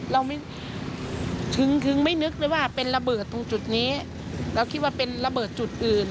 เราไม่ถึงถึงไม่นึกเลยว่าเป็นระเบิดตรงจุดนี้เราคิดว่าเป็นระเบิดจุดอื่น